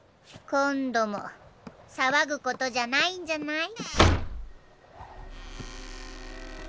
今度も騒ぐことじゃないんじゃない？